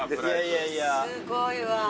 すごいわ。